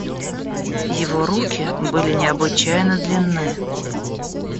Его руки были необычайно длинны.